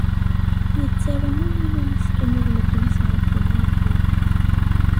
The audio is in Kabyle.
Yettaru i yiman-is kan i lmend n usεeddi n wakud.